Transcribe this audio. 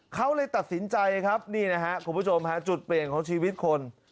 เขาเลยตัดสินใจครับนี่นะครับคุณผู้ชมฮะจุดเปลี่ยนของชีวิตคน